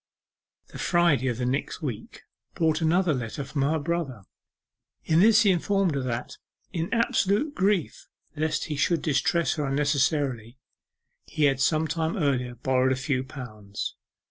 The Friday of the next week brought another letter from her brother. In this he informed her that, in absolute grief lest he should distress her unnecessarily, he had some time earlier borrowed a few pounds.